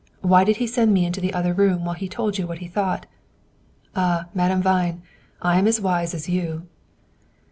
Why did he send me into the other room while he told you what he thought? Ah, Madame Vine, I am as wise as you."